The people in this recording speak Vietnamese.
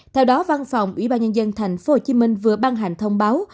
theo đó văn phòng ubnd tp hcm vừa ban hành thông báo